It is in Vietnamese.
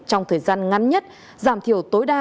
trong thời gian ngắn nhất giảm thiểu tối đa